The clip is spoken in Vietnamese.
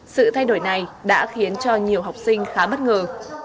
sự thay đổi này đã khiến cho nhiều học sinh khá bất ngờ